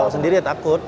kalau sendiri takut